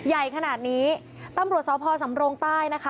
ใหญ่ขนาดนี้ตำรวจสพสำรงใต้นะคะ